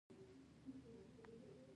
ایا زه له تاسو پوښتنه کولی شم؟